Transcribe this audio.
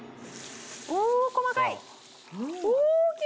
お細かい！